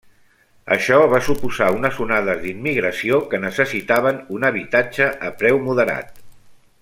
Això va suposar unes onades d'immigració que necessitaven un habitatge a preu moderat.